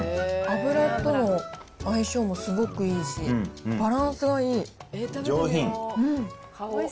油と相性もすごくいいし、バランスがいい。